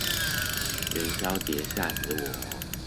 元宵節嚇死我